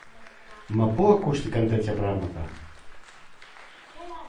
Μα πού ακούστηκαν τέτοια πράματα!